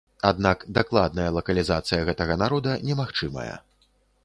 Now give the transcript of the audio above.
Аднак дакладная лакалізацыя гэтага народа немагчымая.